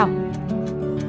hẹn gặp lại